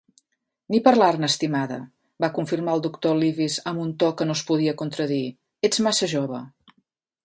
"Ni parlar-ne, estimada", va confirmar el doctor Leavis amb un to que no es podia contradir; "ets massa jove!